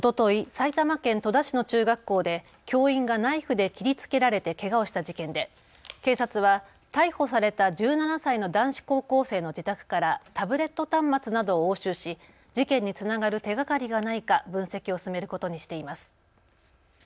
埼玉県戸田市の中学校で教員がナイフで切りつけられてけがをした事件で、警察は逮捕された１７歳の男子高校生の自宅からタブレット端末などを押収し事件につながる手がかりがないか分析を進めることにしています。